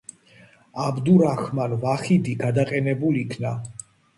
აბდურაჰმან ვაჰიდი გადაყენებულ იქნა.